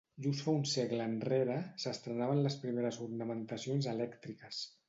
Just fa un segle enrere s’estrenaven les primeres ornamentacions elèctriques.